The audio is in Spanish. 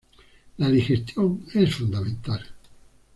La digestión es fundamental.